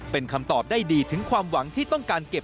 เป็นคำตอบได้ดีถึงความหวังที่ต้องการเก็บ